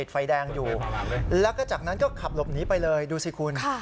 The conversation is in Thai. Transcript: จอดติดไฟแดงอยู่และจากนั้นก็ขับลบหนีไปเลยดูสิคุณ